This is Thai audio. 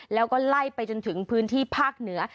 แล้วก็ไล่ไปจนถึงพื้นที่ภาคเหนือ